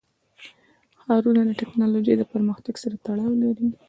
ښارونه د تکنالوژۍ له پرمختګ سره تړاو لري.